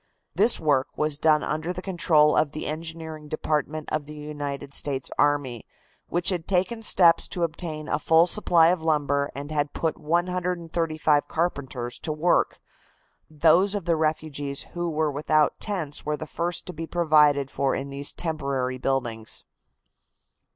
This work was done under the control of the engineering department of the United States army, which had taken steps to obtain a full supply of lumber and had put 135 carpenters to work. Those of the refugees who were without tents were the first to be provided for in these temporary buildings.